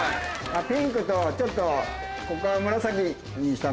ピンクとちょっとここは。